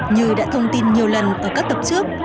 như đã thông tin nhiều lần ở các tập trước